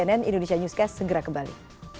di dalam skb tiga menteri